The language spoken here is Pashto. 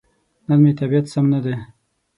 نن مې طبيعت سم ندی.